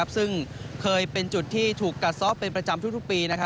ซึ่งเคยเป็นจุดที่ถูกกัดซ้อเป็นประจำทุกปี